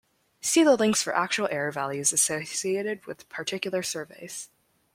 See the links for actual error values associated with particular surveys.